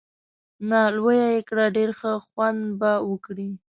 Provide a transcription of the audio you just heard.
نه، لویه یې کړه، ډېر ښه خوند به وکړي.